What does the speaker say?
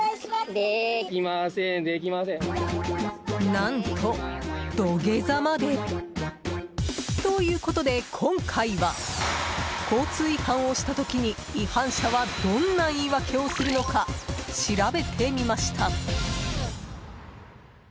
何と、土下座まで！ということで、今回は交通違反をした時に違反者はどんな言い訳をするのか調べてみました。